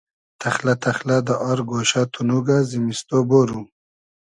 تئخلۂ تئخلۂ دۂ آر گۉشۂ تونوگۂ زیمیستۉ بورو